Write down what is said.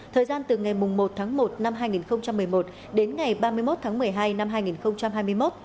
thời gian từ ngày một tháng một năm hai nghìn một mươi một đến ngày ba mươi một tháng một mươi hai năm hai nghìn hai mươi một